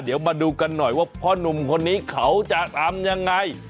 เดี๋ยวมาดูกันหน่อยว่าพ่อนุ่มคนนี้เขาจะทำยังไง